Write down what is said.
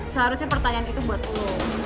seharusnya pertanyaan itu buat lu